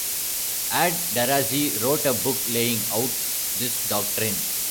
Ad-Darazi wrote a book laying out this doctrine.